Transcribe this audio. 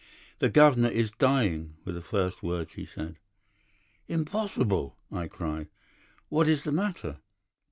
"'The governor is dying,' were the first words he said. "'Impossible!' I cried. 'What is the matter?